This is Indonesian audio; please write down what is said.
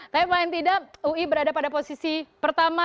tapi paling tidak ui berada pada posisi pertama